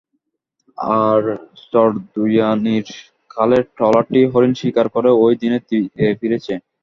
আর চরদুয়ানীর খালের ট্রলারটি হরিণ শিকার করে ওই দিনই তীরে ফিরেছে।